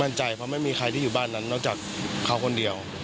มั่นใจเพราะไม่มีใครที่อยู่บ้านนั้นนอกจากเขาคนเดียว